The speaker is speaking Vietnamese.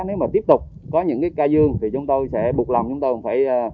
nếu mà tiếp tục có những cái ca dương thì chúng tôi sẽ bục lòng chúng tôi